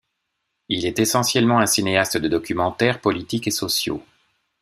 Il est essentiellement un cinéaste de documentaires politiques et sociaux.